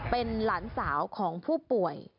เป็นหลานสาวของผู้ป่วย